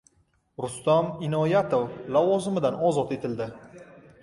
Rustam Inoyatov lavozimidan ozod etildi